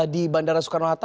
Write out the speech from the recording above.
di bandara soekarno hatta